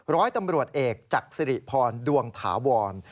ร้อยตำรวจเอกจักษิริพรดวงถาวร